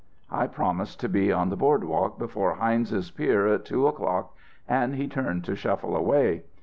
"I promised to be on the Boardwalk before Heinz's Pier at two o clock and he turned to shuffle away.